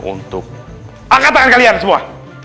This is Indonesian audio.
untuk angkat tangan kalian semua